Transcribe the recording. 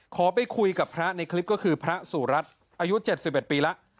ขอไปคุยกับพระในคลิปก็คือพระสุรัตน์อายุ๗๑ปีแล้ว